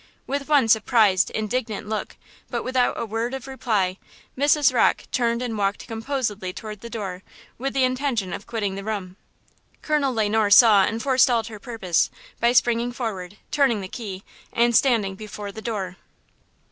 With one surprised, indignant look, but without a word of reply, Mrs. Rocke turned and walked composedly toward the door with the intention of quitting the room. Colonel Le Noir saw and forestalled her purpose by springing forward, turning the key and standing before the door.